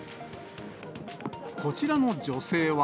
こちらの女性は。